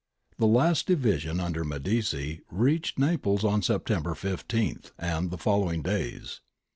The last division under Medici reached Naples on September 15 and the following days.